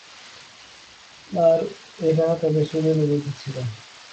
আর এটা তাদের শরীয়তে বৈধ ছিল।